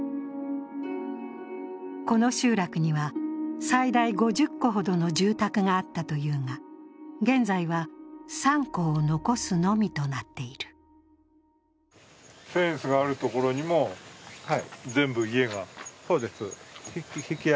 この集落には最大５０戸ほどの住宅があったというが、現在は３戸を残すのみとなっているフェンスがあるところにも全部家が？